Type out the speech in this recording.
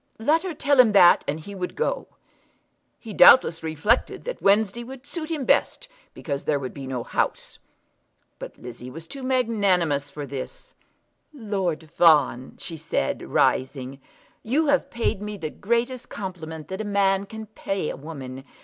Let her tell him that and he would go. He doubtless reflected that Wednesday would suit him best, because there would be no House. But Lizzie was too magnanimous for this. "Lord Fawn," she said, rising, "you have paid me the greatest compliment that a man can pay a woman.